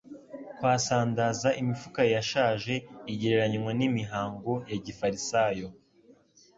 kwasandaza imifuka yashaje; igereranywa n'imihango ya gifarisayo.